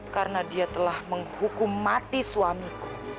karena dia telah menghukum mati suamiku